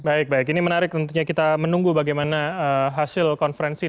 baik baik ini menarik tentunya kita menunggu bagaimana hasil konferensi